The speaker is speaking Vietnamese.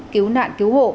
cứu nạn cứu hộ